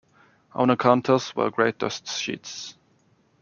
Over the counters were great dust sheets.